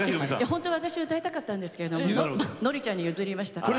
本当私歌いたかったんですけどノリちゃんに譲りました。